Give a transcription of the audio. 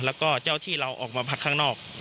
แล้วก็เจ้าที่เราออกมาพักข้างนอก